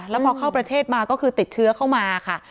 แล้วพอเข้าประเทศมาก็คือติดเชื้อเข้ามาค่ะ